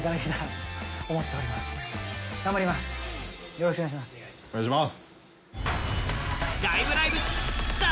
よろしくお願いします。